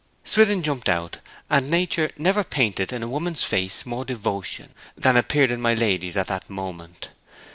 Swithin jumped out, and nature never painted in a woman's face more devotion than appeared in my lady's at that moment.